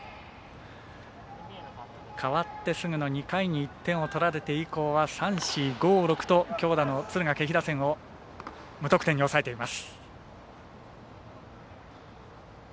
代わってすぐの２回に１点を取られて以降は３、４、５、６と強打の敦賀気比打線を無得点に抑えています。